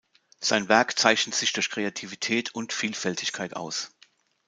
Sein Werk zeichnet sich durch Kreativität und Vielfältigkeit aus.